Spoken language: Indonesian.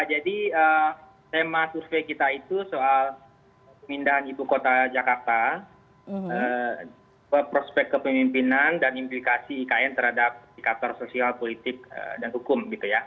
jadi tema survei kita itu soal pindahan ibu kota jakarta prospek kepemimpinan dan implikasi ikn terhadap pindikator sosial politik dan hukum